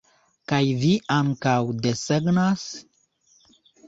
Kaj vi ankaŭ desegnas?